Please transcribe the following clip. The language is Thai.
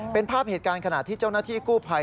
เป็นภาพเหตุการณ์ขณะที่เจ้าหน้าที่กู้ภัย